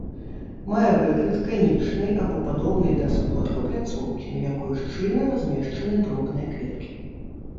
Мае выгляд канічнай або падобнай да сподка пляцоўкі, на якой шчыльна размешчаны дробныя кветкі.